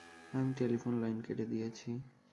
আমি telephone line কেটে দিয়েছি।